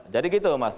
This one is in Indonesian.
jadi gitu mas